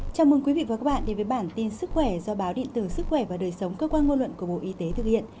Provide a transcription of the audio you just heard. chào mừng quý vị và các bạn đến với bản tin sức khỏe do báo điện tử sức khỏe và đời sống cơ quan ngôn luận của bộ y tế thực hiện